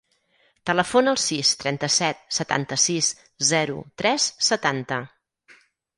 Telefona al sis, trenta-set, setanta-sis, zero, tres, setanta.